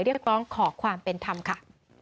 เรียกร้องขอความเป็นธรรมค่ะ